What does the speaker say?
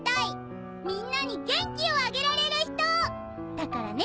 だからね